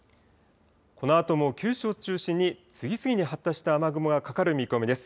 このあとも九州を中心に次々に発達した雨雲がかかる見込みです。